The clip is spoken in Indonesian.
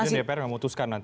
mungkin dpr memutuskan nanti